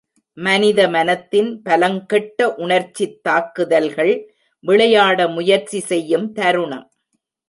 மனித மனத்தின் பலங்கெட்ட உணர்ச்சித் தாக்குதல்கள் விளையாட முயற்சி செய்யும் தருணம்.